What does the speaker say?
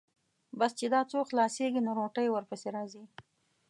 بس چې دا څو خلاصېږي، نو روټۍ ورپسې راځي.